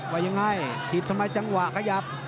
ว่ายังไงถีบทำไมจังหวะขยับ